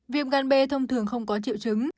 viêm ngăn bê thông thường không có triệu chứng